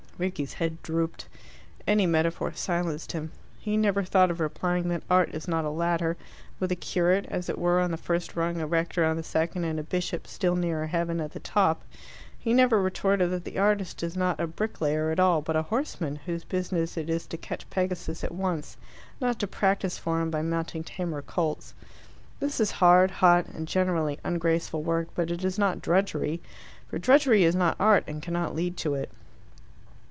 Rickie's head drooped. Any metaphor silenced him. He never thought of replying that art is not a ladder with a curate, as it were, on the first rung, a rector on the second, and a bishop, still nearer heaven, at the top. He never retorted that the artist is not a bricklayer at all, but a horseman, whose business it is to catch Pegasus at once, not to practise for him by mounting tamer colts. This is hard, hot, and generally ungraceful work, but it is not drudgery. For drudgery is not art, and cannot lead to it.